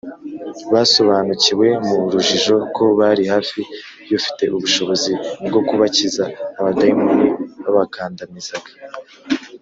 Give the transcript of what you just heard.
basobanukiwe mu rujijo ko bari hafi y’ufite ubushobozi bwo kubakiza abadayimoni babakandamizaga